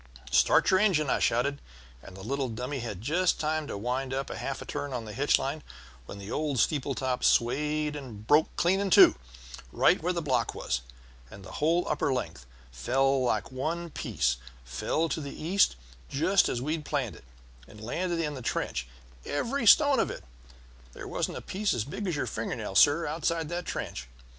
"'Start your engine!' I shouted, and the little dummy had just time to wind up half a turn of the hitch line when the old steeple top swayed and broke clean in two, right where the block was, and the whole upper length fell like one piece, fell to the east just as we had planned it, and landed in the trench, every stone of it; there wasn't a piece as big as your fingernail, sir, outside that trench.